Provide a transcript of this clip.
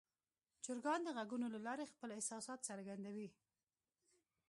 چرګان د غږونو له لارې خپل احساسات څرګندوي.